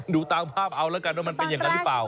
ดูตามภาพเอาแล้วกันว่ามันเป็นอย่างนั้นหรือเปล่า